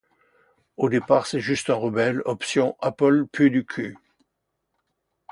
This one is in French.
Au départ c’est juste un côté rebelle option « apple pue du cul ».